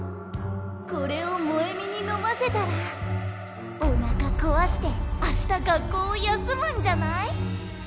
これを萌美に飲ませたらおなかこわして明日学校を休むんじゃない？